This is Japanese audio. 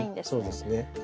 そうですね。